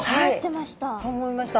そう思いました。